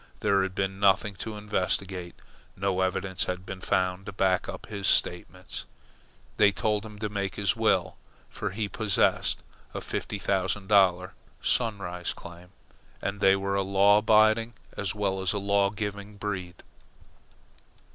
There had been nothing to investigate. No evidence had been found to back up his statements. They told him to make his will, for he possessed a fifty thousand dollar Sunrise claim, and they were a law abiding as well as a law giving breed.